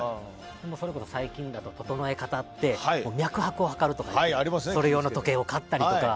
それこそ最近だとととのえ方って脈拍を測るとかそれ用の時計を買ったりとか。